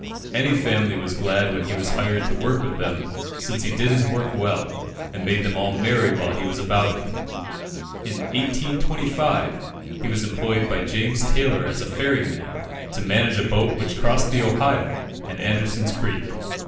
Any family was glad when he was hired to work with them, since he did his work well, and made them all merry while he was about it. In 1825, he was employed by James Taylor as a ferry man, to manage a boat which crossed the Ohio and Anderson's Creek.